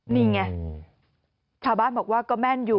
นี่ไงชาวบ้านบอกว่าก็แม่นอยู่